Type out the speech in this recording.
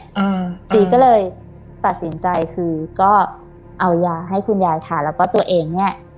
อ่าจีก็เลยตัดสินใจคือก็เอายาให้คุณยายค่ะแล้วก็ตัวเองเนี้ย